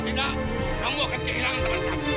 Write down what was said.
dek aku mau ke sana